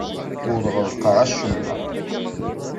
Ur ɣellqeɣ acemma.